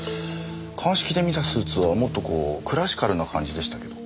鑑識で見たスーツはもっとこうクラシカルな感じでしたけど。